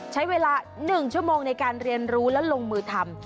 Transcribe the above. ใช้เวลา๑ชั่วโมงในการเรียนรู้และลงมือทำ